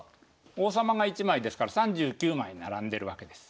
王様が１枚ですから３９枚並んでるわけです。